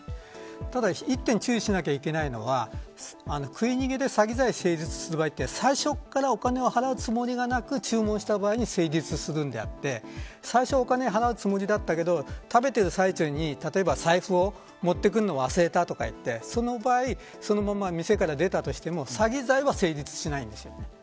ただ、一点注意しなきゃいけないのは食い逃げで詐欺罪が成立する場合は最初からお金を払うつもりがなく注文した場合に成立するのであって最初お金を払うつもりだったけど食べてる最中に財布を持ってくるの忘れたそか言って、その場合店から出たとしても詐欺罪は成立しないんです。